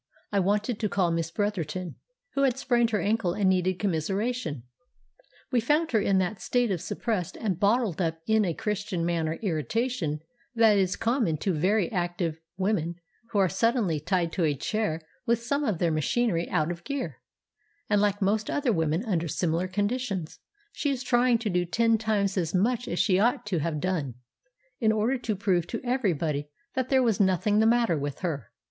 I wanted to call on Miss Bretherton, who had sprained her ankle and needed commiseration. We found her in that state of suppressed and bottled up in a Christian manner irritation that is common to very active women who are suddenly tied to a chair with some of their machinery out of gear; and, like most other women under similar conditions, she was trying to do ten times as much as she ought to have done, in order to prove to everybody that there was nothing the matter with her.